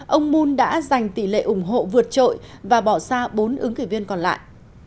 ông moon đã giành tỷ lệ ủng hộ vượt trội và bỏ xa bốn ứng cử viên còn lại